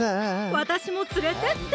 私も連れてって！